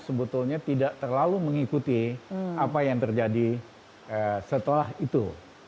sebetulnya tidak terlalu mengikuti apa yang terjadi setelah itu